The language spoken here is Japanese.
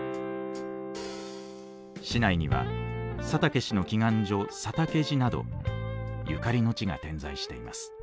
市内には佐竹氏の祈願所佐竹寺などゆかりの地が点在しています。